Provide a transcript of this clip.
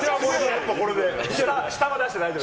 下も出して大丈夫。